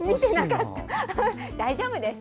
大丈夫です。